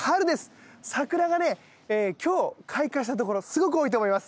桜がね今日開花したところすごく多いと思います。